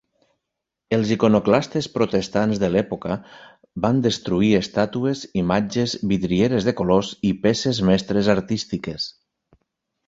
Els iconoclastes protestants de l"època ban destruir estàtues, imatges, vidrieres de colors i peces mestres artístiques.